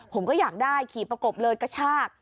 ผมก็อยากได้ขี่ประกบเลยกระชาก